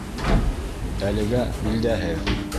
Әлегә билдәһеҙ.